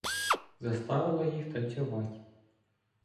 Заставила їх танцьовать.